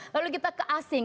lalu kita ke asing